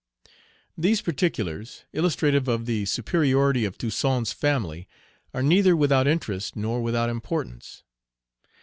These particulars, illustrative of the superiority of Toussaint's family, are neither without interest nor without importance.